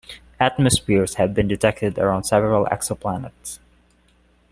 Atmospheres have been detected around several exoplanets.